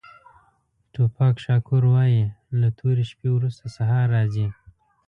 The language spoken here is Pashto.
ټوپاک شاکور وایي له تورې شپې وروسته سهار راځي.